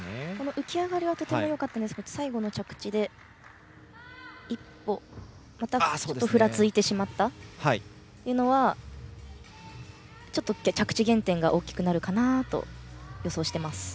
浮き上がりはとてもよかったんですが最後の着地で１歩ふらついてしまったというのはちょっと着地減点が大きくなるかなと予想しています。